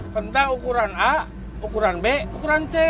tentang ukuran a ukuran b ukuran c